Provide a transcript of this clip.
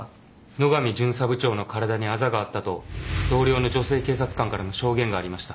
野上巡査部長の体にあざがあったと同僚の女性警察官からの証言がありました。